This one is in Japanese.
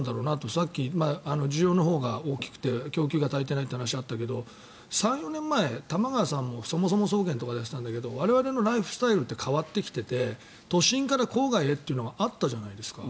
さっき需要が大きくて供給が足りないってあったけど３４年前玉川さんのそもそも総研でやっていたんだけど我々のライフスタイルって変わってきていて都心から郊外へというのがあったじゃないですか。